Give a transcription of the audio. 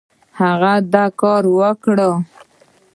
هغه دا کار وکړ.